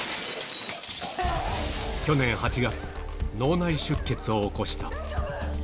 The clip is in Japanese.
去年８月、脳内出血を起こした。